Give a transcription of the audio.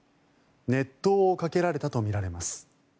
熱湯をかけられたとみられます。